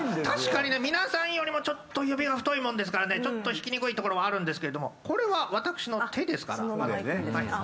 確かにね皆さんよりもちょっと指が太いもんですからねちょっと弾きにくいところもあるんですけれどもこれは私の手ですから。